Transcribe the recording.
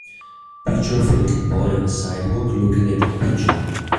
Picture of a little boy on a sidewalk looking at a pigeon.